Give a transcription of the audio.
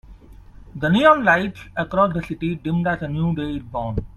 The neon lights across the city dimmed as a new day is born.